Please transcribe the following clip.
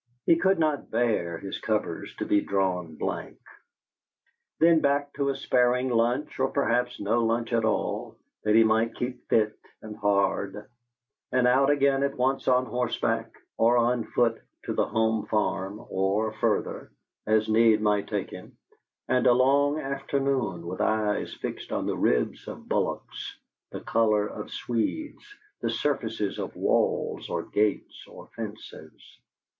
He could not bear his covers to be drawn blank. Then back to a sparing lunch, or perhaps no lunch at all, that he might keep fit and hard; and out again at once on horseback or on foot to the home farm or further, as need might take him, and a long afternoon, with eyes fixed on the ribs of bullocks, the colour of swedes, the surfaces of walls or gates or fences.